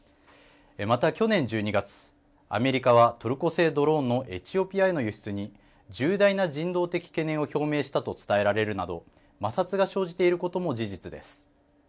また去年１２月アメリカはトルコ製ドローンのエチオピアへの輸出に重大な人道的懸念を表明したと伝えられるなど摩擦が生じていることも事実です。